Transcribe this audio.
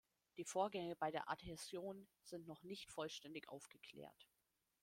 Die Vorgänge bei der Adhäsion sind noch nicht vollständig aufgeklärt.